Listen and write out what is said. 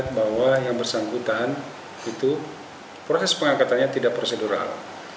ada aduan dari masyarakat bahwa yang bersangkutan itu proses pengangkatannya tidak prosedural